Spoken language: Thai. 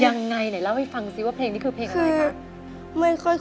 ยังไงไหนเล่าให้ฟังซิว่าเพลงนี้คือเพลงอะไรคะ